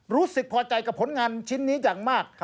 รู้สึกพอใจกับผลงานชิ้นนี้อย่างมาก